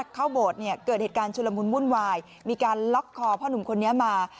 ถ้าเขาโบธเกิดหัวเหตุการณ์ชุระมุนมุ่นวายมีการก็หลักคอพ่อนุ่มคนนี้มา